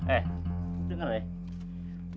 eh denger ya